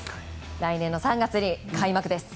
来年の３月に開幕です。